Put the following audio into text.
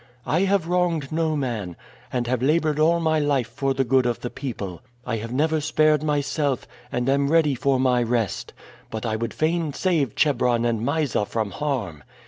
I have wronged no man, and have labored all my life for the good of the people. I have never spared myself, and am ready for my rest; but I would fain save Chebron and Mysa from harm.